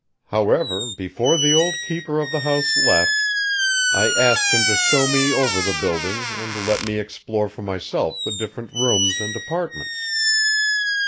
"However, before the old keeper of the house left, I asked him to show me over the building, and let me explore for myself the different rooms and apartments.